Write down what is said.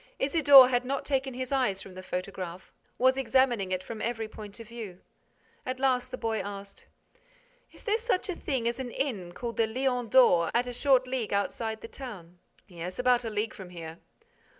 Isidore had not taken his eyes from the photograph, was examining it from every point of view. At last, the boy asked: "Is there such a thing as an inn called the Lion d'Or at a short league outside the town?" "Yes, about a league from here."